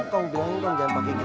kamu bilang jangan pakai gitu